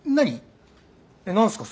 えっ何すか？